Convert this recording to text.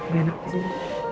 gak enak disini